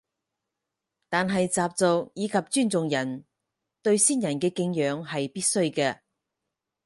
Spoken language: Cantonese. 但係習俗以及尊重人對先人嘅敬仰係必須嘅